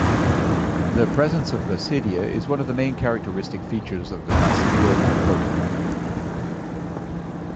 The presence of basidia is one of the main characteristic features of the Basidiomycota.